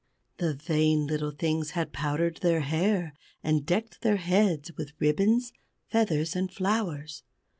The vain little things had powdered their hair, and decked their heads with ribbons, feathers, and flowers.